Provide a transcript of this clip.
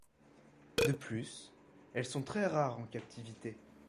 De plus, elles sont très rares en captivité.